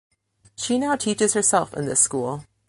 She now teaches herself in this school.